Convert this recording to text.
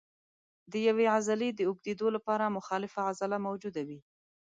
د یوې عضلې د اوږدېدو لپاره مخالفه عضله موجوده وي.